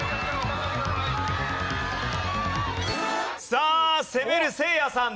さあ攻めるせいやさん。